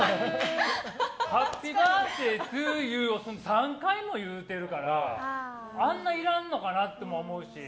ハッピーバースデートゥーユーを３回も言うてるからあんなにいらんのかなって思うし。